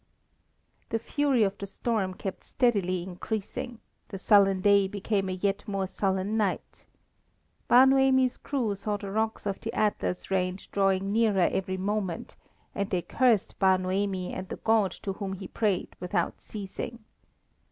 The fury of the storm kept steadily increasing, the sullen day became a yet more sullen night. Bar Noemi's crew saw the rocks of the Atlas range drawing nearer every moment, and they cursed Bar Noemi and the God to whom he prayed, without ceasing.